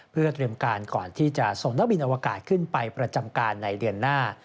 เพื่อเตรียมการก่อนที่จะส่งนักบินอวกาศขึ้นไปประจำการในเดือนหน้า